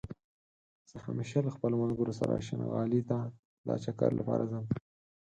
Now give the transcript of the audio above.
زه همېشه له خپلو ملګرو سره شينغالى ته دا چکر لپاره ځم